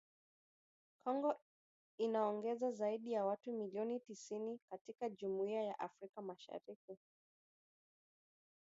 Kongo inaongeza zaidi ya watu milioni tisini katika Jumuiya ya Afrika Mashariki